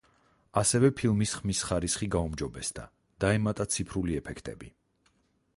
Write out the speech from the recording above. ასევე ფილმის ხმის ხარისხი გაუმჯობესდა, დაემატა ციფრული ეფექტები.